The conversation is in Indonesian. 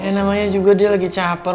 namanya juga dia lagi caper